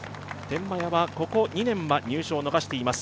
天満屋はここ２年は入賞を逃しています。